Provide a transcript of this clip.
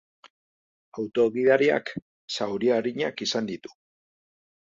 Auto-gidariak zauri arinak izan ditu.